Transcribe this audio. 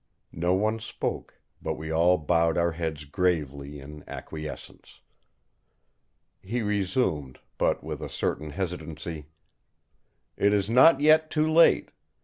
No one spoke, but we all bowed our heads gravely in acquiescence. He resumed, but with a certain hesitancy: "It is not yet too late!